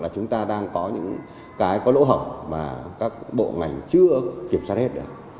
chúng ta đang có những cái có lỗ hỏng mà các bộ ngành chưa kiểm soát hết được